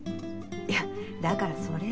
いやだからそれは。